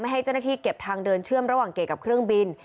ให้เจ้าหน้าที่เก็บทางเดินเชื่อมระหว่างเกดกับเครื่องบิน